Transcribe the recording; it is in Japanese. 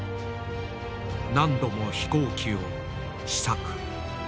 何度も飛行機を試作。